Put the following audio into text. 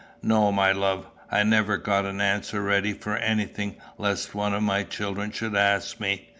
"No, my love. I never got an answer ready for anything lest one of my children should ask me.